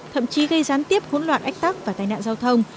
thậm chí gây gián tiếp hỗn loạn ách tắc và tai nạn giao thông